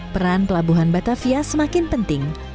peran pelabuhan batavia semakin penting